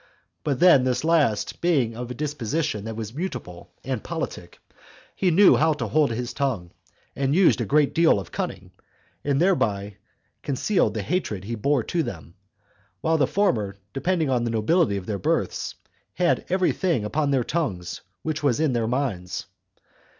But then this last being of a disposition that was mutable and politic, he knew how to hold his tongue, and used a great deal of cunning, and thereby concealed the hatred he bore to them; while the former, depending on the nobility of their births, had every thing upon their tongues which was in their minds.